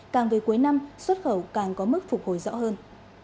càng về cuối năm xuất khẩu càng có mức phục hồi rõ hơn